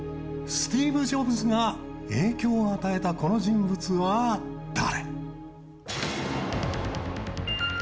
スティーブ・ジョブズが影響を与えた人物です。